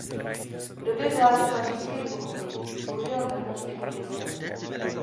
V době vlády Pařížské komuny sloužila pevnost jako vězení.